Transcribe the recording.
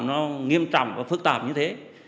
nó nghiêm trọng và phức tạp như thế